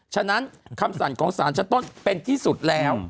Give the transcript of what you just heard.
ฉะนั้นคำสั่งของสารชั้นต้นเป็นที่สุดแล้ว